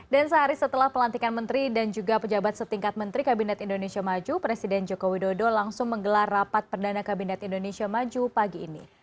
sehari setelah pelantikan menteri dan juga pejabat setingkat menteri kabinet indonesia maju presiden joko widodo langsung menggelar rapat perdana kabinet indonesia maju pagi ini